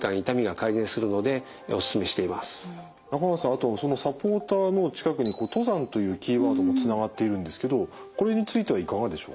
あとその「サポーター」の近くに「登山」というキーワードもつながっているんですけどこれについてはいかがでしょうか？